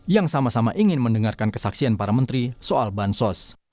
yang sama sama ingin mendengarkan kesaksian para menteri soal bansos